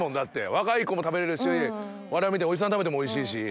若い子も食べれるし我々みたいなおじさんが食べてもおいしいし。